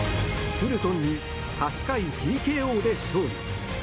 フルトンに８回ＴＫＯで勝利。